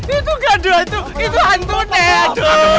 itu gado itu itu hantu deh aduh